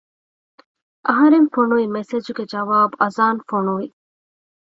އަހަރެން ފޮނުވި މެސެޖްގެ ޖަވާބު އަޒާން ފޮނުވި